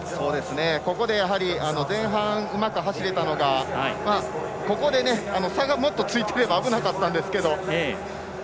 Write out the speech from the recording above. ここで前半うまく走れたのがここで、差がもっとついてれば危なかったんですけど。